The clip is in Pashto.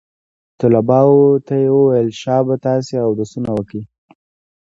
طلباو ته يې وويل شابه تاسې اودسونه وکئ.